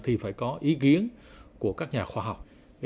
thì phải có ý kiến của các nhà khoa học